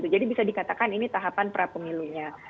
jadi bisa dikatakan ini tahapan pra pemilunya